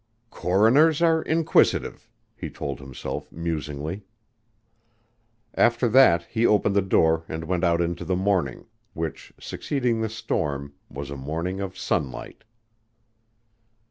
"Coroners are inquisitive," he told himself musingly. After that he opened the door and went out into the morning, which, succeeding the storm, was a morning of sunlight.